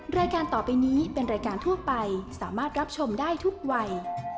รายการต่อไปนี้เป็นรายการทั่วไปสามารถรับชมได้ทุกวัย